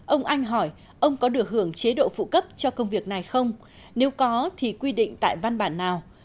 ông anh hỏi ông có được hưởng chế độ phụ cấp cho công việc này không nếu có thì quy định tại văn bản nào